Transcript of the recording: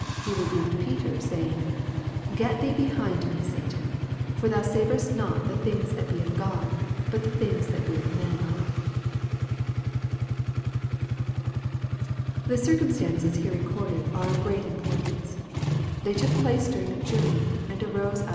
he rebuked Peter, saying, Get thee behind me, Satan : for thou savorest not tba things that be of God, but the things that be of men. THE circumstances here recorded are of great import ance. They took place during a journey, and arose out 164 EXPOSITORY THOUGHTS.